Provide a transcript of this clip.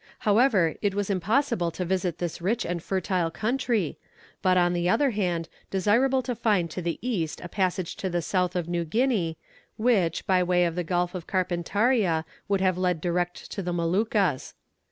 However, it was impossible to visit this rich and fertile country, but, on the other hand, desirable to find to the east a passage to the south of New Guinea, which, by way of the Gulf of Carpentaria, would have led direct to the Moluccas.